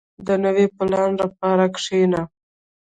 • د نوي پلان لپاره کښېنه.